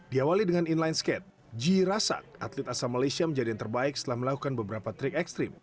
diawali dengan inline skate ji rasak atlet asal malaysia menjadi yang terbaik setelah melakukan beberapa trik ekstrim